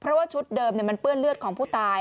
เพราะว่าชุดเดิมมันเปื้อนเลือดของผู้ตาย